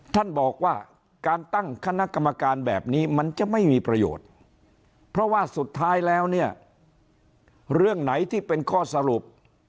ท่านบอกว่าการตั้งคณะกรรมการแบบนี้มันจะไม่มีประโยชน์เพราะว่าสุดท้ายแล้วเนี่ยเรื่องไหนที่เป็นข้อสรุป